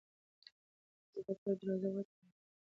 ښځه د کور دروازه وتړله.